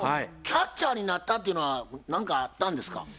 キャッチャーになったっていうのは何かあったんですか？